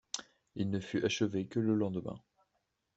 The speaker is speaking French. Il ne fut achevé que le lendemain.